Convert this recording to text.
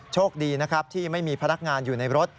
โชคดีนะครับที่ไม่มีพนักงานอยู่ในรถ